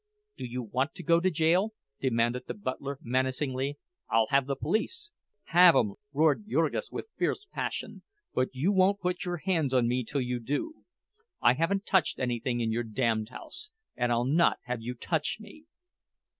"Do you want to go to jail?" demanded the butler, menacingly. "I'll have the police—" "Have 'em!" roared Jurgis, with fierce passion. "But you won't put your hands on me till you do! I haven't touched anything in your damned house, and I'll not have you touch me!"